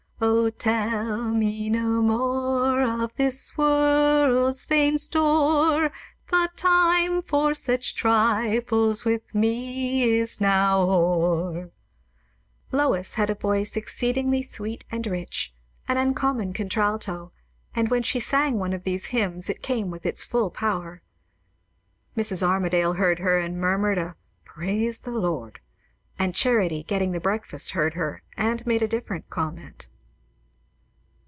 "O tell me no more of this world's vain store! The time for such trifles with me now is o'er." Lois had a voice exceedingly sweet and rich; an uncommon contralto; and when she sang one of these hymns, it came with its fall power. Mrs. Armadale heard her, and murmured a "Praise the Lord!" And Charity, getting the breakfast, heard her; and made a different comment.